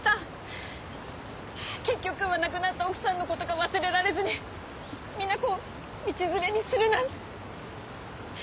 結局は亡くなった奥さんの事が忘れられずにみな子を道連れにするなんて。